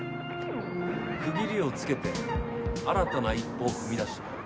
区切りをつけて新たな一歩を踏み出してもらう。